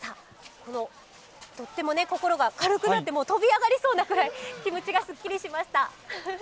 とっても心が軽くなって、飛び上がりそうなくらい気持ちがすっきりしました。